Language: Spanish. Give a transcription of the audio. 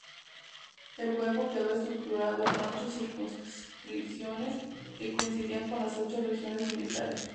El cuerpo quedó estructurado en ocho circunscripciones —que coincidían con las ocho regiones militares—.